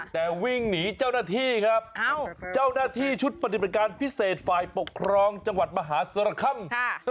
แต่วิ่งหนีเจ้าหน้าที่ครับเจ้าหน้าที่ชุดปฏิบัติการพิเศษฝ่ายปกครองจังหวัดมหาสรคัม